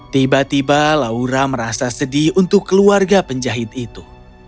tiba tiba laura merasa sedih untuk keluarga penjahit itu